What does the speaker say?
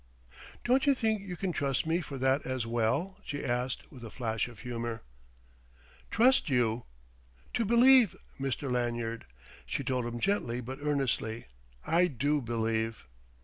"Don't you think you can trust me for that as well?" she asked, with a flash of humour. "Trust you!" "To believe ... Mr. Lanyard," she told him gently but earnestly, "I do believe."